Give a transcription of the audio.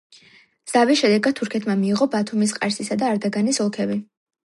ზავის შედეგად თურქეთმა მიიღო ბათუმის, ყარსისა და არდაგანის ოლქები.